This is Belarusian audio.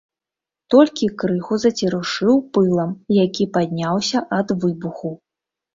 Толькі крыху зацерушыў пылам, які падняўся ад выбуху.